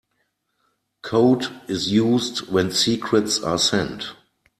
Code is used when secrets are sent.